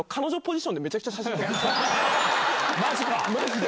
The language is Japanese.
マジか？